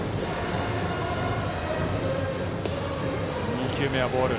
２球目はボール。